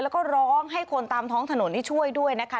แล้วก็ร้องให้คนตามท้องถนนให้ช่วยด้วยนะคะ